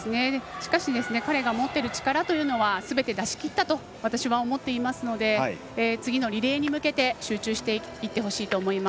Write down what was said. しかし彼が持っている力はすべて出しきったと思っていますので次のリレーに向けて集中していってほしいと思っています。